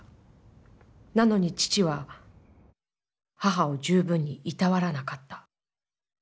なのに父は母を十分に労わらなかった。